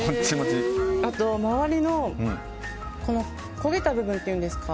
あと、周りの焦げた部分というんですか。